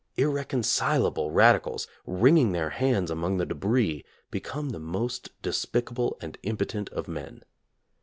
Irreconcilable radicals, wringing their hands among the debris, become the most despic able and impotent of men.